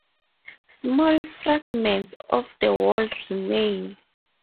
Small fragments of the wall remain.